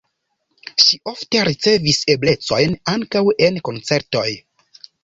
Ŝi ofte ricevis eblecojn ankaŭ en koncertoj.